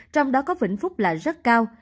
trong đó có vĩnh phúc là rất cao